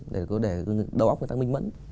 để đầu óc người ta minh mẫn